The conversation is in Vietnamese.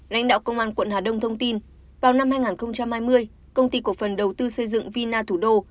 lãnh đạo công an quận hà đông thông tin vào năm hai nghìn hai mươi công ty cổ phần đầu tư xây dựng vina thủ đô